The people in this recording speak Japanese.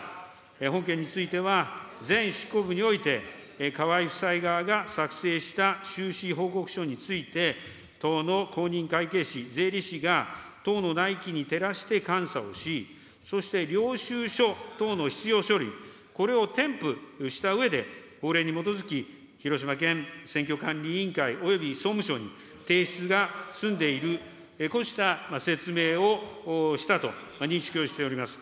本件については、前執行部において、河井夫妻側が作成した収支報告書について、党の公認会計士、税理士が党の内規に照らして監査をし、そして領収書等の必要書類、これを添付したうえで、法令に基づき、広島県選挙管理委員会会及び総務省に提出が済んでいる、こうした説明をしたと、認識をしております。